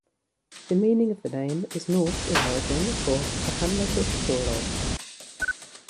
The meaning of the name is Norse in origin for "the hamlet of Thorald".